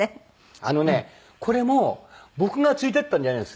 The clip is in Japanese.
あのねこれも僕が連れていったんじゃないんです。